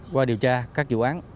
qua điều tra các dự án